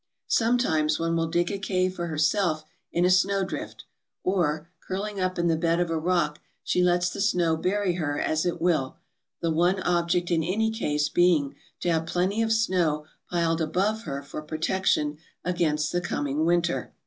.. Sometimes one will dig a cave for herself in a snowdrift, or, curling up in the bed of a rock, she lets the snow bury her as it will, the one object in any case being to have plenty of snow piled above her for protection against the coming winter.